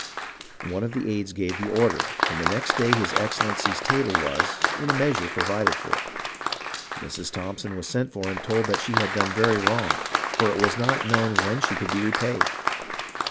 One of the aides gave the order, and the next day his Excellency's table was, in a measure, provided for. Mrs. Thompson was sent for and told that she had done very wrong, for it was not known when she could be repaid.